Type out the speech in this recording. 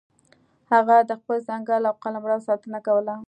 هغه د خپل ځنګل او قلمرو ساتنه کوله.